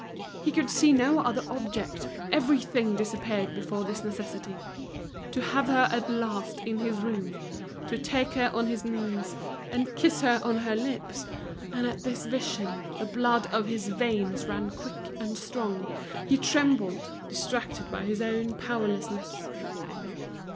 He could see no other object, everything disappeared before this necessity: to have her at last in his room, to take her on his knees, and, kiss her on her lips; and at this vision, the blood of his veins ran quick and strong, he trembled, distracted by his own powerlessness.